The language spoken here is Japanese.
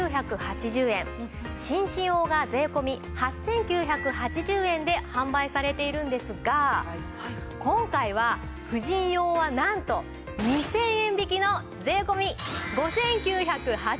紳士用が税込８９８０円で販売されているんですが今回は婦人用はなんと２０００円引きの税込５９８０円！